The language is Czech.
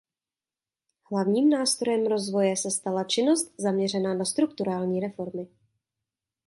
Hlavním nástrojem rozvoje se stala činnost zaměřená na strukturální reformy.